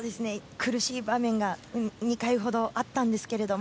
苦しい場面が２回ほどあったんですけれども。